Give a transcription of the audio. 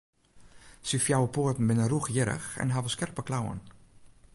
Syn fjouwer poaten binne rûchhierrich en hawwe skerpe klauwen.